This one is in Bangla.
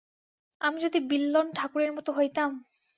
আমি যদি বিল্বন ঠাকুরের মতো হইতাম!